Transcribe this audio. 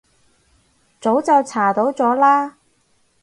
早就查到咗啦